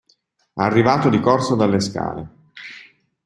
Arrivato di corsa dalle scale.